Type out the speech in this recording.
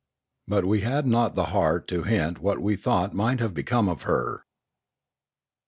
But we had not the heart to hint what we thought might have become of her.